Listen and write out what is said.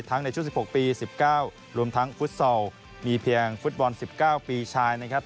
ทั้งในชุดสิบหกปีสิบเก้ารวมทั้งฟุตสอลมีเพียงฟุตบอลสิบเก้าปีชายนะครับ